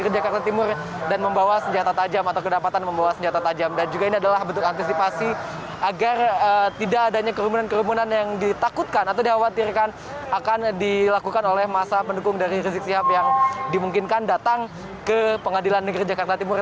di jakarta timur dan membawa senjata tajam atau kedapatan membawa senjata tajam dan juga ini adalah bentuk antisipasi agar tidak adanya kerumunan kerumunan yang ditakutkan atau dikhawatirkan akan dilakukan oleh masa pendukung dari rizik sihab yang dimungkinkan datang ke pengadilan negeri jakarta timur